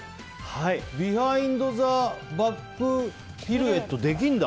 ビハインド・ザ・バック・ピルエットできるんだ。